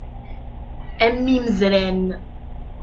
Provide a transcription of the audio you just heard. A mm imezran!